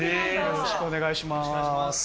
よろしくお願いします。